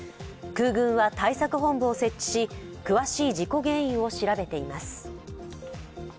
空軍は対策本部を設置し、詳しい事故原因を調べています。